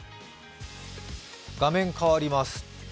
画面変わります。